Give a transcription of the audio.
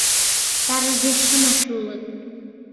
Паразит-шамыч улыт.